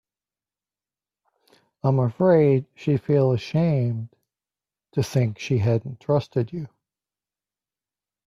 I'm afraid she'd feel ashamed to think she hadn't trusted you.